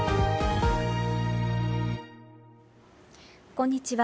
こんにちは。